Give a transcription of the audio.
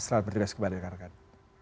selamat berjalan sekolah rekan rekan